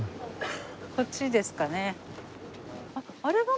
こっちですかね？